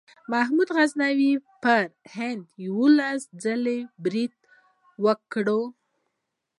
محمود غزنوي په هند اوولس ځله برید وکړ.